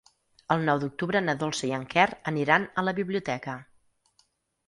El nou d'octubre na Dolça i en Quer aniran a la biblioteca.